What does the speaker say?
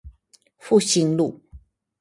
復興路